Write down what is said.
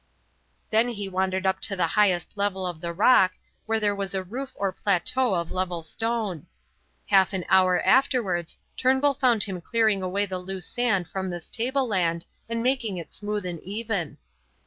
Then he wandered up to the highest level of the rock, where there was a roof or plateau of level stone. Half an hour afterwards, Turnbull found him clearing away the loose sand from this table land and making it smooth and even.